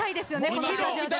このスタジオで。